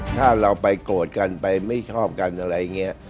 ถ้าเราไปโกรธกันไปไม่ชอบกันอะไรอย่างนี้